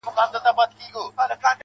اوښـكه د رڼـــا يــې خوښــــه ســـوېده.